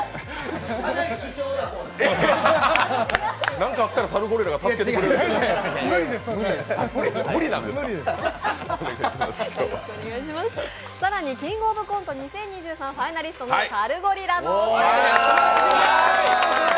何かあったらサルゴリラが助けてくれる更に「キングオブコント２０２３」ファイナリストのサルゴリラのお二人です。